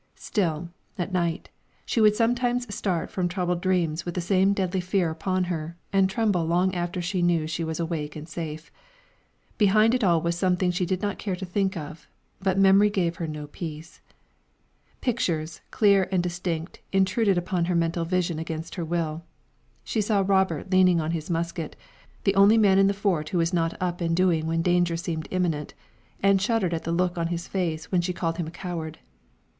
Still, at night, she would sometimes start from troubled dreams with the same deadly fear upon her and tremble long after she knew she was awake and safe. Behind it all was something she did not care to think of, but memory gave her no peace. Pictures, clear and distinct, intruded upon her mental vision against her will. She saw Robert leaning on his musket, the only man in the Fort who was not up and doing when danger seemed imminent, and shuddered at the look on his face when she called him a coward.